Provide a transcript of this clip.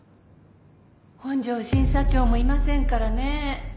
本庄審査長もいませんからね。